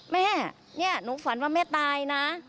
แม่เนี่ยหนูฝันว่าแม่ตายนะ